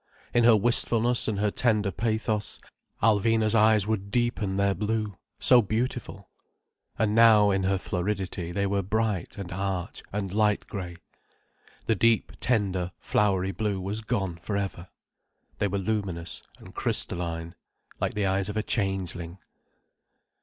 In her wistfulness and her tender pathos, Alvina's eyes would deepen their blue, so beautiful. And now, in her floridity, they were bright and arch and light grey. The deep, tender, flowery blue was gone for ever. They were luminous and crystalline, like the eyes of a changeling.